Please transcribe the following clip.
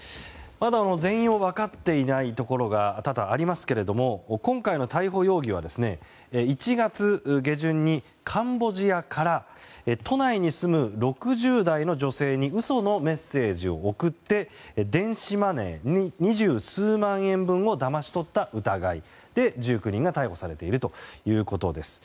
まだ全容は分かっていないところが多々ありますけれども今回の逮捕容疑は１月下旬にカンボジアから都内に住む６０代の女性に嘘のメッセージを送って電子マネー、二十数万円をだまし取った疑いで１９人が逮捕されているということです。